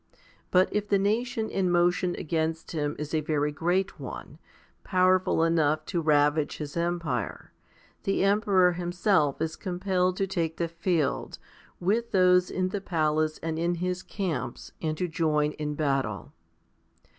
But if the nation in motion against him is a very great one, powerful enough to ravage his empire, the emperor himself is compelled to take the field, with those in the palace and in his camps, and to join in battle.